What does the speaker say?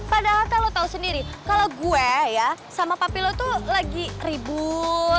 padahal kan lo tau sendiri kalau gue ya sama papi lo tuh lagi ribut